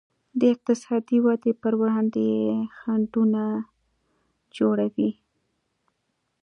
د اقتصادي ودې پر وړاندې یې خنډونه جوړوي.